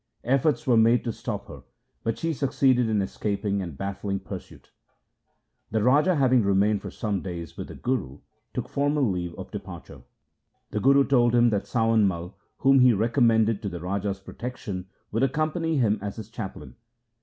Efforts were made to stop her, but she succeeded in escaping and baffling pursuit. The Raja having remained for some days with the Guru took formal leave of departure. The Guru told him that Sawan Mai, whom he recommended to the Raja's protection, would accompany him as his chaplain.